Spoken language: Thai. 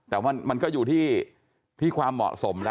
แต่ว่ามันก็อยู่ที่ความเหมาะสมแล้ว